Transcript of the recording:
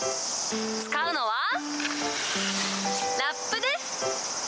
使うのは、ラップです。